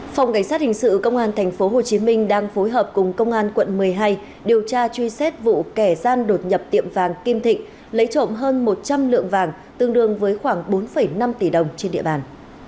phòng cảnh sát hình sự công an tp hcm đang phối hợp cùng công an quận một mươi hai điều tra truy xét vụ kẻ gian đột nhập tiệm vàng kim thịnh lấy trộm hơn một trăm linh lượng vàng tương đương với khoảng bốn năm tỷ đồng trên địa bàn